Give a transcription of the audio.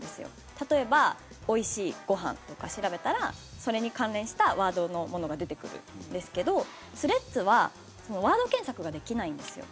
例えば「おいしいご飯」とか調べたらそれに関連したワードのものが出てくるんですけどスレッズはワード検索ができないんですよ。